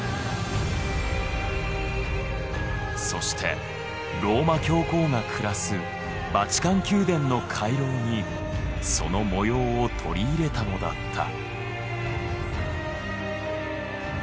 そしてローマ教皇が暮らすバチカン宮殿の回廊にその模様を取り入れたのだった。